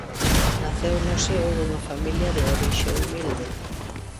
Naceu no seo dunha familia de orixe humilde.